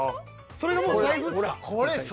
それがもう財布ですか？